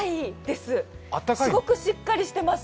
すごくしっかりしてます。